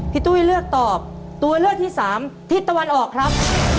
ตุ้ยเลือกตอบตัวเลือกที่สามทิศตะวันออกครับ